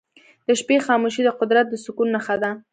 د شپې خاموشي د قدرت د سکون نښه ده.